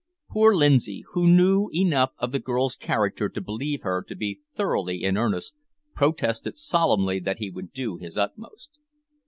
Poor Lindsay, who knew enough of the girl's character to believe her to be thoroughly in earnest, protested solemnly that he would do his utmost.